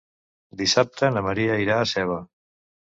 Dissabte na Maria irà a Seva.